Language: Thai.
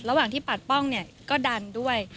ระหว่างที่ปัดป้องเนี่ยก็ดันด้วย